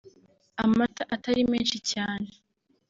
amata atari menshi cyane